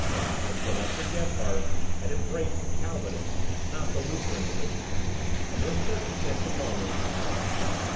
But the Elector Gebhard had embraced the Calvinist, not the Lutheran religion; and this circumstance alone was his ruin.